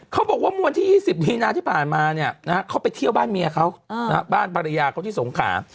เขาบอกว่ามวลที่๒๐มีนาที่ผ่านมาเนี่ยนะฮะเขาไปเที่ยวบ้านเมียเขาบ้านภรรยาเขาที่สงขา